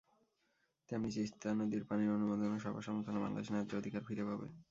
তেমনি তিস্তা নদীর পানির অনুমোদনও সবার সমর্থনে বাংলাদেশ ন্যায্য অধিকার ফিরে পাবে।